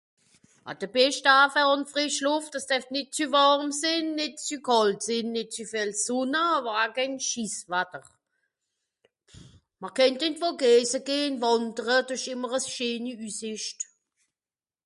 ah de bescht Daa fer àn d fresh Lùft es defft nìt zü wàrm sìn nìt zü kàlt sìn nìt zü viel sonne àwer a kehn schisswatter mr kennt ìn d'Vogese gehn wàndere do esch ìmmer àls scheeni üssìscht